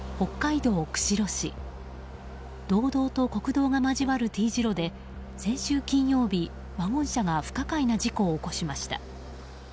道道と国道が交わるＴ字路で先週金曜日、ワゴン車が不可解な事故を起こしました。